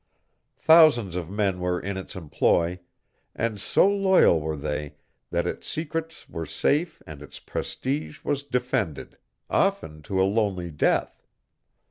Thousands of men were in its employ, and so loyal were they that its secrets were safe and its prestige was defended, often to a lonely death.